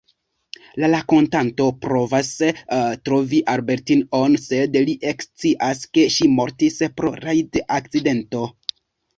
La rakontanto provas retrovi Albertine-on, sed li ekscias ke ŝi mortis pro rajd-akcidento.